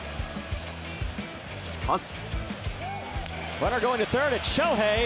しかし。